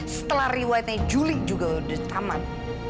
setelah riwayatnya juli juga udah tamat